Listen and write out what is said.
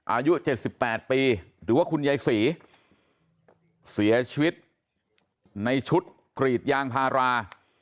อายุ๗๘ปีหรือว่าคุณยายศรีเสียชีวิตในชุดกรีดยางพารา